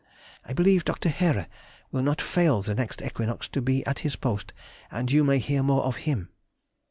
I believe Dr. Heere will not fail the next equinox to be at his post, and you may hear more of him.